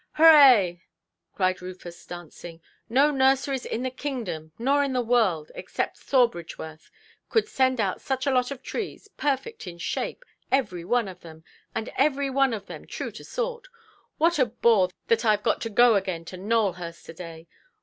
"Hurrah"! cried Rufus, dancing, "no nurseries in the kingdom, nor in the world, except Sawbridgeworth, could send out such a lot of trees, perfect in shape, every one of them, and every one of them true to sort. What a bore that Iʼve got to go again to Nowelhurst to–day!